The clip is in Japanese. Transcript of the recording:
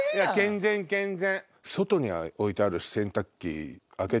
健全健全！